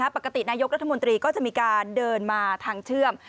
ปกตินายกรัฐมนตรีก็จะมีการเดินมาทางเชื่อม